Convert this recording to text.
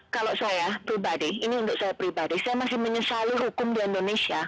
kalau saya pribadi ini untuk saya pribadi saya masih menyesali hukum di indonesia